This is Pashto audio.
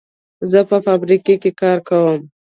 زه په فابریکه کې کار کوم.